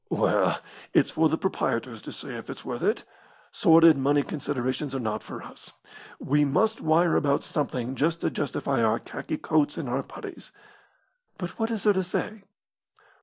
"Well, it's for the proprietors to say if it's worth it. Sordid money considerations are not for us. We must wire about something just to justify our khaki coats and our putties." "But what is there to say?"